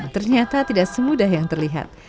ternyata tidak semudah yang terlihat